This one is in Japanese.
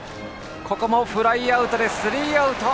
フライアウトでスリーアウト。